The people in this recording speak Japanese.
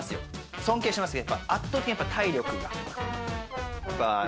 尊敬しますけど、やっぱ圧倒的にやっぱ体力が。